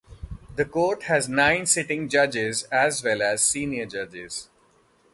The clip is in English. The Court has nine sitting Judges, as well as Senior Judges.